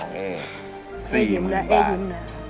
๔หมื่นยาติ